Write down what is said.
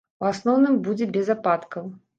У асноўным, будзе без ападкаў.